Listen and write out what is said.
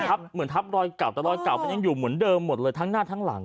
เหมือนทับรอยเก่าแต่รอยเก่ามันยังอยู่เหมือนเดิมหมดเลยทั้งหน้าทั้งหลัง